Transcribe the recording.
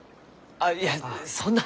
あいやそんな。